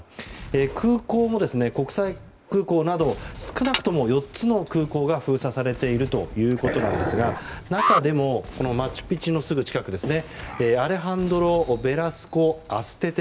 空港も国際空港など少なくとも４つの空港が封鎖されているということで中でもマチュピチュのすぐ近くアレハンドロ・ベラスコ・アステテ